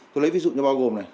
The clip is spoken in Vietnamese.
tôi lấy ví dụ như bao gồm này